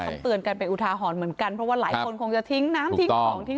เตือนกันเป็นอุทาหรณ์เหมือนกันเพราะว่าหลายคนคงจะทิ้งน้ำทิ้งของทิ้ง